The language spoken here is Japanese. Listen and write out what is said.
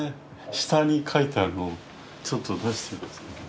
下に描いてあるのをちょっと出してますね。